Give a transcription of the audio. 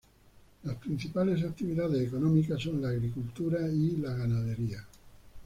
Las principales actividades económica son la agricultura y la ganadería.